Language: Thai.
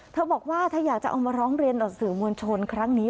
บอกว่าถ้าอยากจะเอามาร้องเรียนต่อสื่อมวลชนครั้งนี้